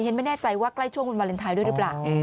ฉันไม่แน่ใจว่าใกล้ช่วงวันวาเลนไทยด้วยหรือเปล่า